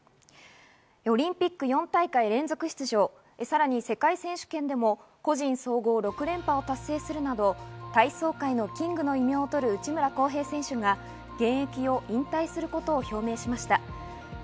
オリンピック４大会連続出場、さらに世界選手権でも個人総合６連覇を達成するなど体操界のキングの異名を取る内村航平選手が現役を引退することを表明しました。